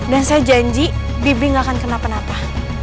dan saya janji bibi gak akan kena penapa